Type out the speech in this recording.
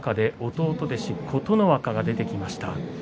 弟弟子の琴ノ若が出てきました。